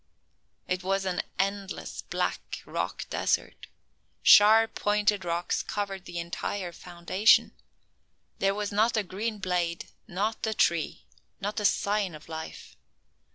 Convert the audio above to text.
It was an endless, black rock desert. Sharp, pointed rocks covered the entire foundation. There was not a green blade, not a tree, not a sign of life.